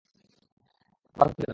তার বাঁধন খুলে ফেললাম।